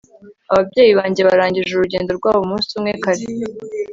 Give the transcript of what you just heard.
ababyeyi banjye barangije urugendo rwabo umunsi umwe kare